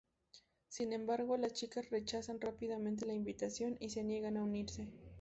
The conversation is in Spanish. Sin embargo, las chicas rechazan rápidamente la invitación y se niegan a unirse.